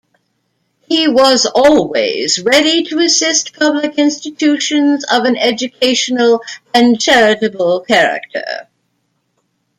He was always ready to assist public institutions of an educational and charitable character.